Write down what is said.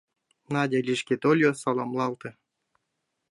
Надя лишке тольо, саламлалте.